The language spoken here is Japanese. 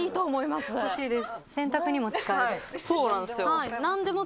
私も欲しいです。